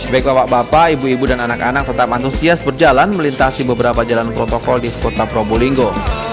baik bapak bapak ibu ibu dan anak anak tetap antusias berjalan melintasi beberapa jalan protokol di kota probolinggo